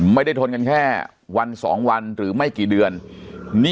ทนกันแค่วัน๒วันหรือไม่กี่เดือน